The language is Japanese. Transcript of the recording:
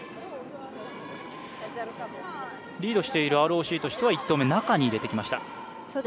リードしているＲＯＣとしては１投目、中に入れてきました。